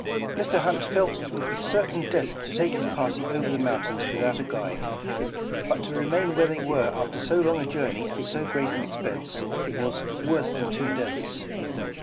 Mr. Hunt felt it would be certain death to take his party over the mountains without a guide, but to re main where they were after so long a journey and so great an expense, w^as 'Svorse than two deaths."